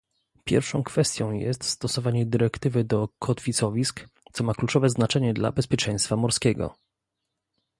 Pierwszą kwestią jest stosowanie dyrektywy do kotwicowisk, co ma kluczowe znaczenie dla bezpieczeństwa morskiego